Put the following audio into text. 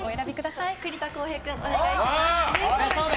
栗田航兵君、お願いします。